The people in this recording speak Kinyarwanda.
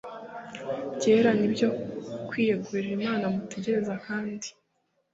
byera nibyo kwiyegurira Imana mutegereza kandi